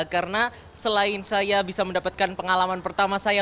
karena selain saya bisa mendapatkan pengalaman pertama saya